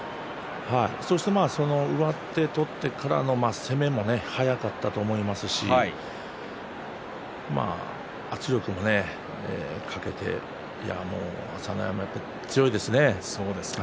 そして、上手を取ってからの攻めも速かったと思いますし圧力もかけていやあ、もう朝乃山、強いですね。